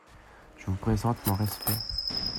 Je vous présente mon respect.